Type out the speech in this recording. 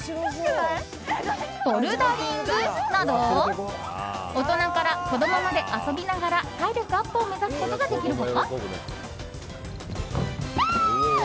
ボルダリングなど大人から子供まで遊びながら体力アップを目指すことができる他。